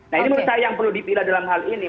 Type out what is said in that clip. nah ini menurut saya yang perlu dipilah dalam hal ini